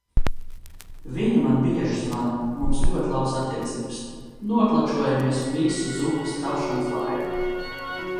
Viņa man bieži zvana, mums ļoti labas attiecības, noklačojamies visu zupas tapšanas laiku.